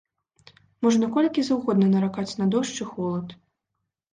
Можна колькі заўгодна наракаць на дождж і холад.